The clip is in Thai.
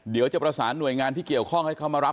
เดี๋ยวจะประสานหน่วยงานที่เกี่ยวข้องให้เขามารับ